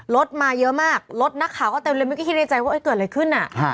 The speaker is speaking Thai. รถมาเยอะมากรถนักข่าวก็เต็มเลยมันก็คิดในใจว่าเกิดอะไรขึ้น